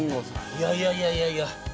いやいやいやいやいや。